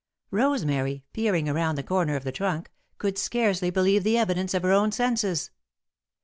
Rosemary, peering around the corner of the trunk, could scarcely believe the evidence of her own senses.